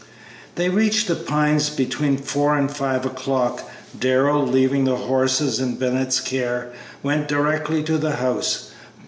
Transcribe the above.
They reached The Pines between four and five o'clock. Darrell, leaving the horses in Bennett's care, went directly to the house.